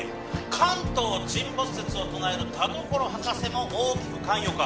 「関東沈没説を唱える田所博士も大きく関与か？」